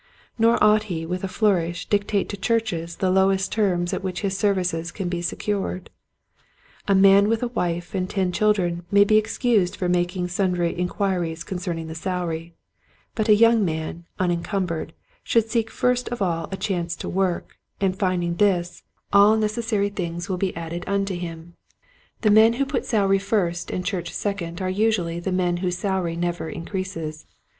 Nor ought he with a flourish dictate to churches the lowest terms at which his services can be secured. A man with a wife and ten children may be excused for making sun dry inquiries concerning the salary, but a young man unencumbered should seek first of all a chance to work, and finding this, all necessary things will be added Which Door? 31 unto him. The men who put salary first and church second are usually the men whose salary never increases.